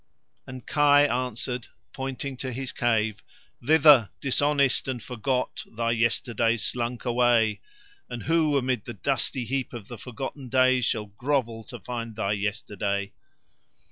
And Kai answered, pointing to his cave: "Thither, dishonoured and forgot, thy yesterday slunk away. And who amid the dusty heap of the forgotten days shall grovel to find thy yesterday?"